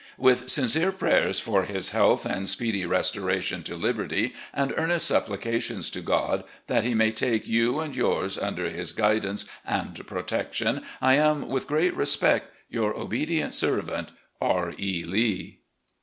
With sincere prayers for his health and speedy restoration to liberty, and earnest supplications to God that He may take you and yours under His guidance and protection, I am, with great respect, "Your obedient servant, "R. E. Lee."